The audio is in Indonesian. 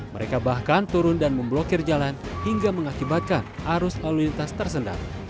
mereka bahkan turun dan memblokir jalan hingga mengakibatkan arus lalu lintas tersendat